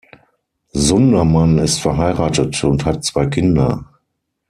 Sundermann ist verheiratet und hat zwei Kinder.